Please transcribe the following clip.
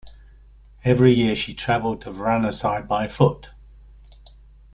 Every year she travelled to Varanasi by foot.